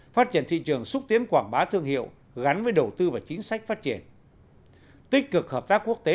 phát triển thị trường xúc tiến quảng bá thương hiệu gắn với đầu tư và chính sách phát triển tích cực hợp tác quốc tế